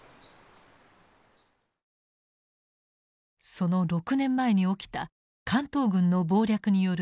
その６年前に起きた関東軍の謀略による満州事変。